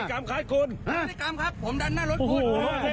กลับรถชนแบบนั้นเลย